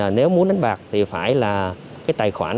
là nếu muốn đánh bạc thì phải là